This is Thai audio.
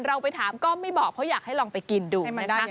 เราไปถามก็ไม่บอกเพราะอยากให้ลองไปกินดูนะคะ